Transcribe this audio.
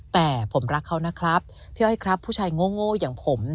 แต่ผมรักเขานะครับพี่อ้อยครับผู้ชายโง่อย่างผม